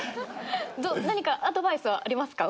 何かアドバイスはありますか？